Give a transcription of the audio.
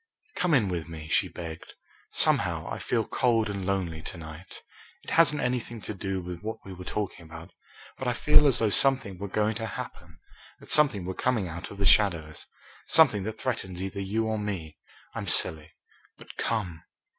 "Come in with me," she begged. "Somehow, I feel cold and lonely to night. It hasn't anything to do with what we were talking about, but I feel as though something were going to happen, that something were coming out of the shadows, something that threatens either you or me. I'm silly, but come."